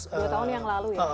dua tahun yang lalu ya